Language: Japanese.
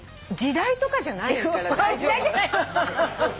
時代とかじゃないから。